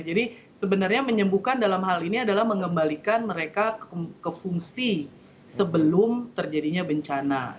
jadi sebenarnya menyembuhkan dalam hal ini adalah mengembalikan mereka ke fungsi sebelum terjadinya bencana